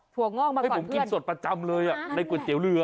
ถั่วงอกมาก่อนเพื่อนให้ผมกินสดประจำเลยอ่ะในก๋วยเตี๋ยวเรือ